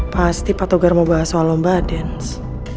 pasti patogar mau bahas soal lomba dens